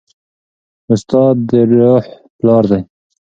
استاد د روح پلار دی.